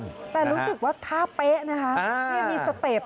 แต่รู้สึกว่าท่าเป๊ะนะครับ